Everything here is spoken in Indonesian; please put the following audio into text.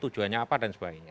tujuannya apa dan sebagainya